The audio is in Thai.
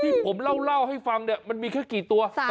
ที่ผมเล่าให้ฟังเนี่ยมันมีแค่กี่ตัว